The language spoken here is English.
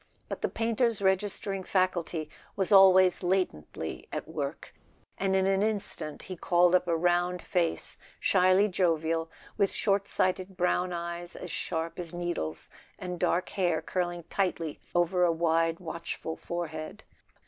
But the painter's register¬ ing faculty was always latently at work, and in an instant he called up a round face, shyly jovial, with short sighted brown eyes as sharp as needles, and dark hair curling tightly over a wide watchful forehead.